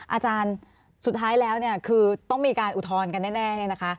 อาจารย์สุดท้ายแล้วคือต้องมีการอุทธรณ์กันแน่นะคะ